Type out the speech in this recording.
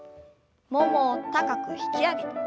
ももを高く引き上げて。